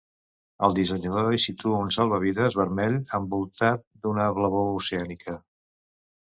El dissenyador hi situa un salvavides vermell envoltat d'una blavor oceànica.